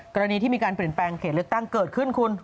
กรณีที่มีการเปลี่ยนแปลงเขตเลือกตั้งเกิดขึ้นคุณ